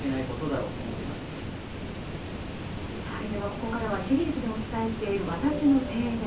ここからはシリーズでお伝えしているわたしの提言。